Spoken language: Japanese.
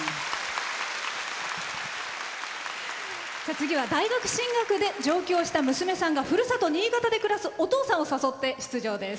次は、大学進学で上京した娘さんがふるさと・新潟で暮らすお父さんを誘って出場です。